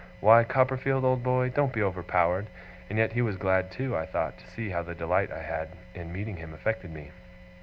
'Why, Copperfield, old boy, don't be overpowered!' And yet he was glad, too, I thought, to see how the delight I had in meeting him affected me.